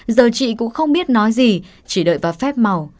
giờ chị cũng không biết nói gì chỉ đợi vào phép màu